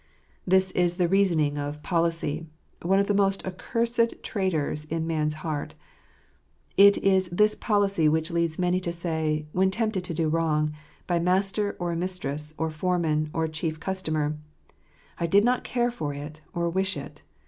This is the reasoning of policy, one of the most accursed traitors in man's heart. It is this policy which leads many to say, when tempted to do wrong, by master, or mistress, or fore man, or chief customer, " I did not care for it, or wish it.